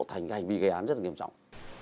thành hành vì gây án rất là nghiêm trọng